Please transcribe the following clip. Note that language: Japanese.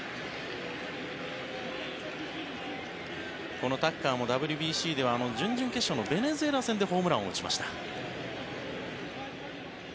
このタッカーもＷＢＣでは準々決勝のベネズエラ戦でホームランを打ちました。